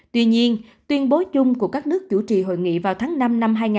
tuy nhiên tuyên bố chung của các nước chủ trì hội nghị vào tháng năm năm hai nghìn hai mươi